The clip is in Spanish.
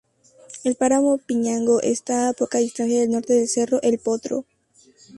El páramo Piñango está a poca distancia al norte del Cerro el Potro.